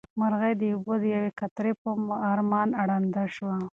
مرغۍ د اوبو د یوې قطرې په ارمان ړنده شوه.